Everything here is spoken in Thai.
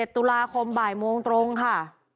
ตุลาคมบ่ายโมงตรงค่ะ